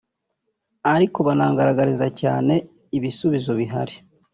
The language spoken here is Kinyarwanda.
ariko banangaragariza cyane ibisubizo bihari